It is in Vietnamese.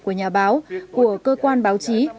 của nhà báo của cơ quan báo chí